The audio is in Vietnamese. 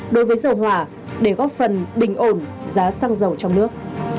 đối với dầu hỏa để góp phần bình ổn giá xăng dầu trong nước